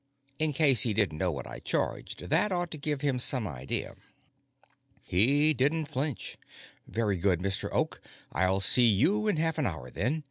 In case he didn't know what I charged, that ought to give him some idea. He didn't flinch. "Very good, Mr. Oak. I'll see you in half an hour, then.